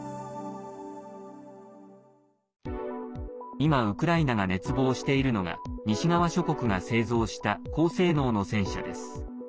今、ウクライナが熱望しているのが西側諸国が製造した高性能の戦車です。